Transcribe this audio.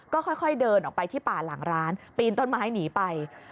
ก็ค่อยเดินออกไปที่ป่าหลังร้านปีนต้นไม้หนีไป